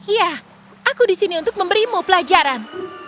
iya aku disini untuk memberimu pelajaran